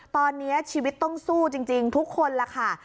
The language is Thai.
ตอนนี้ชีวิตต้องสู้จริงทุกคนล่ะค่ะ